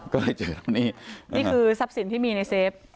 ก็เลยเจอตรงนี้นี่คือทรัพย์สินที่มีในเฟฟ